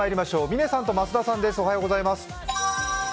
嶺さんと増田さんです。